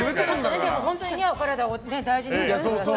でも本当にお体を大事になさってください。